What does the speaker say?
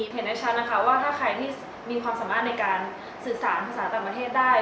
เห็นได้ชัดนะคะว่าถ้าใครที่มีความสามารถในการสื่อสารภาษาต่างประเทศได้